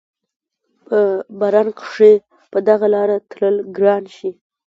په باران کښې په دغه لاره تلل ګران شي